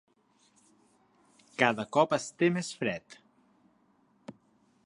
Cada cop es té més fred.